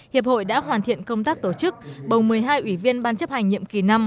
hiệp hội đã hoàn thiện công tác tổ chức bồng một mươi hai ủy viên ban chấp hành nhiệm kỳ năm